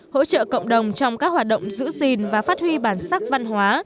hỗ trợ cộng đồng trong các hoạt động giữ gìn và phát huy bản sắc văn hóa